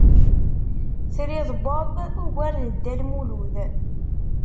Triḍ Bob ugar n Dda Lmulud.